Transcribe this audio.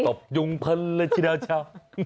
ตบยุงพันธุ์แล้วชินาชาว